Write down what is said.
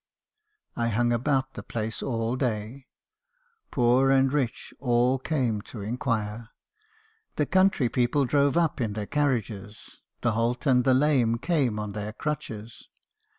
I hung about the place all day. Poor and rich all 312 me. Harrison's confessions. came to inquire. The county people drove up in their carriages, — the halt and the lame came on their crutches.